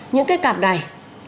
những cái cặp này